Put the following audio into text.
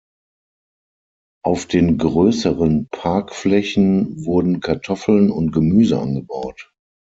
Auf den größeren Parkflächen wurden Kartoffeln und Gemüse angebaut.